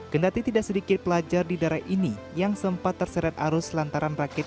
kendati tidak sedikit pelajar di darai ini yang sempat terseret arus lantaran rakit